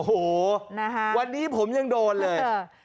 โอ้โหนะฮะวันนี้ผมยังโดนเลย